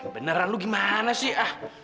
beneran lu gimana sih